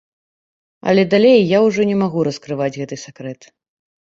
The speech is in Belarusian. Але далей я ўжо не магу раскрываць гэты сакрэт.